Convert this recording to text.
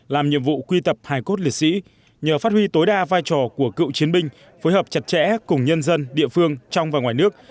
làm nhiệm vụ quy tập hài cốt liệt sĩ nhờ phát huy tối đa vai trò của cựu chiến binh phối hợp chặt chẽ cùng nhân dân địa phương trong và ngoài nước